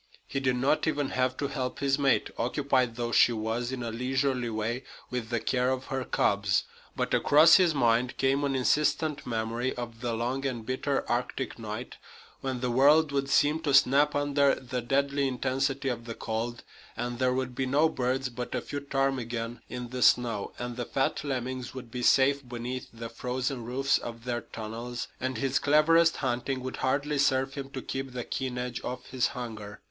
He did not even have to help his mate, occupied though she was, in a leisurely way, with the care of her cubs. But across his mind came an insistent memory of the long and bitter Arctic night, when the world would seem to snap under the deadly intensity of the cold, and there would be no birds but a few ptarmigan in the snow, and the fat lemmings would be safe beneath the frozen roofs of their tunnels, and his cleverest hunting would hardly serve him to keep the keen edge off his hunger.